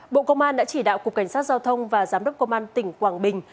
bộ công an đã chỉ đạo cục cảnh sát giao thông và giám đốc công an tỉnh quảng bình